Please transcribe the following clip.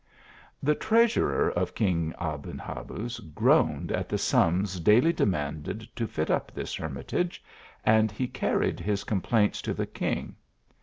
Thp treasurer of King Aben Habuz groaned at the sums daily demanded to lit up this hermitage, and he carried his complaints to the king.